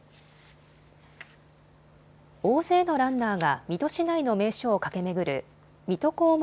大勢のランナーが水戸市内の名所を駆け巡る水戸黄門